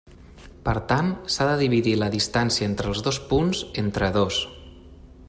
Per tant, s'ha de dividir la distància entre els dos punts entre dos.